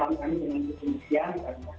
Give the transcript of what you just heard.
dengan kondisi yang kita lakukan